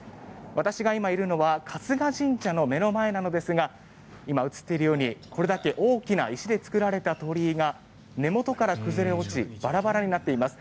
私が今いるのは春日神社の目の前なんですが今映っているようにこれだけ大きな石で作られた鳥居が根元から崩れ落ちバラバラになっています。